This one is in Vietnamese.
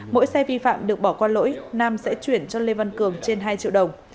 mỗi xe vi phạm được bỏ qua lỗi nam sẽ chuyển cho lê văn cường trên hai triệu đồng